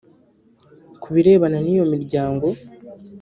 Ku birebana n’iyo miryango